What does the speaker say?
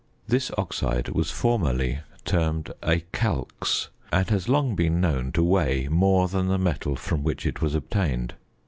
This oxide was formerly termed a "calx," and has long been known to weigh more than the metal from which it was obtained.